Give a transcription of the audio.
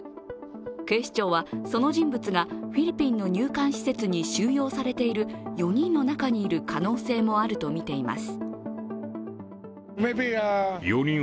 警視庁はその人物がフィリピンの入管施設に収容されている４人の中にいる可能性もあるとみています。